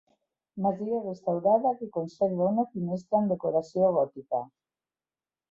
Masia restaurada que conserva una finestra amb decoració gòtica.